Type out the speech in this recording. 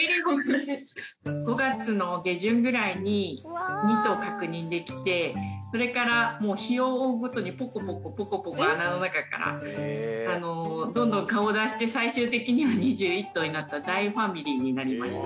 ５月の下旬くらいに２頭確認できてそれからもう日を追うごとにポコポコポコポコ穴の中からどんどん顔を出して最終的には２１頭になった大ファミリーになりました。